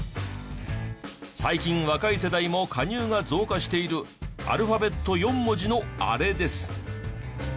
最近若い世代も加入が増加しているアルファベット４文字のあれです。